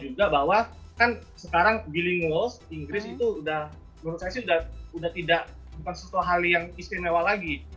juga bahwa kan sekarang giling walls inggris itu udah menurut saya sih sudah tidak bukan sesuatu hal yang istimewa lagi